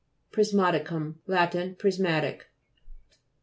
PRISMA'TICUM Lat. Prismatic.